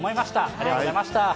ありがとうございます。